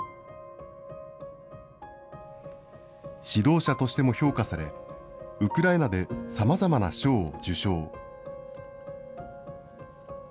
指導者としても評価され、ウクライナでさまざまな賞を受賞。